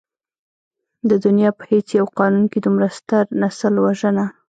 د دنيا په هېڅ يو قانون کې دومره ستر نسل وژنه.